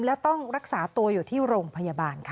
และต้องรักษาตัวอยู่ที่โรงพยาบาลค่ะ